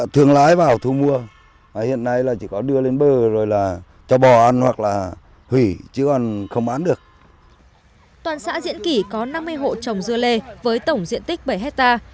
toàn xã diễn kỳ có năm mươi hộ trồng dưa lê với tổng diện tích bảy hectare